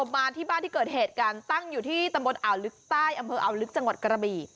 มาที่บ้านที่เกิดเหตุกันตั้งอยู่ที่ตำบลอ่าวลึกใต้อำเภออ่าวลึกจังหวัดกระบี่